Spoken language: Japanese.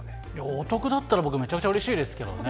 お得だったら、僕、めちゃくちゃうれしいですけどね。